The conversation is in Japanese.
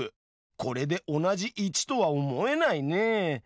これで同じ１とは思えないね。